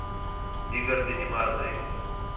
دِیگر تی نماز ہے